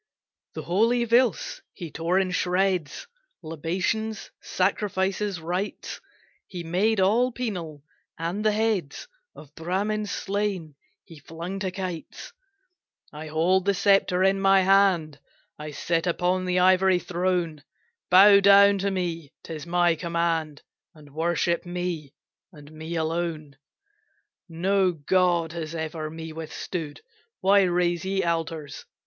The holy Veds he tore in shreds; Libations, sacrifices, rites, He made all penal; and the heads Of Bramins slain, he flung to kites, "I hold the sceptre in my hand, I sit upon the ivory throne, Bow down to me 'tis my command, And worship me, and me alone. "No god has ever me withstood, Why raise ye altars?